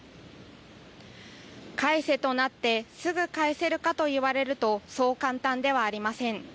返せとなってすぐ返せるかと言われるとそう簡単ではありません。